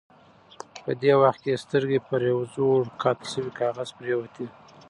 په دې وخت کې یې سترګې پر یوه زوړ قات شوي کاغذ پرېوتې.